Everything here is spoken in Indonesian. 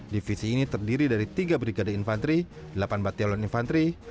divisi ini terdiri dari tiga brigade infanteri delapan batiolon infantri